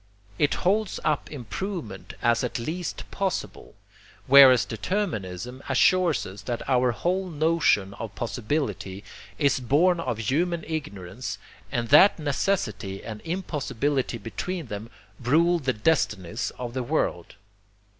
It holds up improvement as at least possible; whereas determinism assures us that our whole notion of possibility is born of human ignorance, and that necessity and impossibility between them rule the destinies of the world.